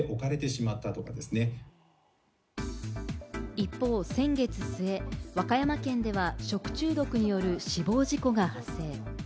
一方、先月末、和歌山県では食中毒による死亡事故が発生。